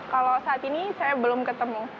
kalau saat ini saya belum ketemu